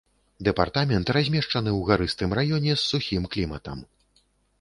Дэпартамент размешчаны ў гарыстым раёне з сухім кліматам.